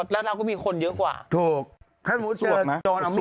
ดำเนินคดีต่อไปนั่นเองครับ